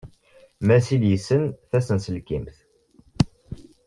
Masil yessen tasenselkimt